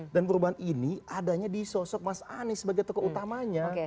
dan perubahan ini adanya di sosok mas anies sebagai tokoh utamanya